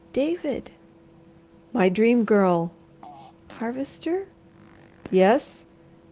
"David!" "My Dream Girl!" "Harvester?" "Yes!"